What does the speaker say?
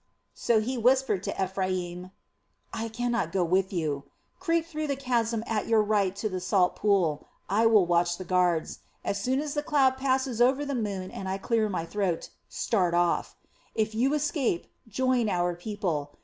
So he whispered to Ephraim: "I cannot go with you. Creep through the chasm at your right to the salt pool. I will watch the guards. As soon as the cloud passes over the moon and I clear my throat, start off. If you escape, join our people.